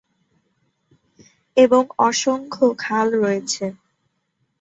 এবং অসংখ্য খাল রয়েছে।